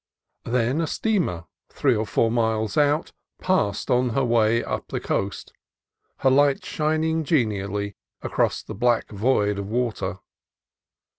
Then a steamer, three or four miles out, passed on her way up coast, her lights shining genially across the black void of wa ter.